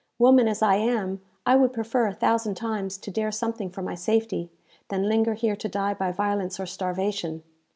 Woman as I am, I would prefer a thousand times to dare something for my safety, than linger here to die by violence or starvation!